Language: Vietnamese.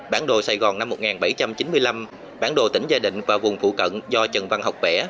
bản đồ sài gòn năm một nghìn bảy trăm chín mươi năm bản đồ tỉnh gia định và vùng phụ cận do trần văn học vẽ